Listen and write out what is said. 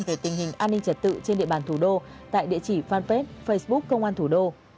về tình hình an ninh trật tự trên địa bàn thủ đô tại địa chỉ fanpage facebook công an thủ đô